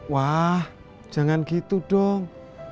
wah jangan gitu dong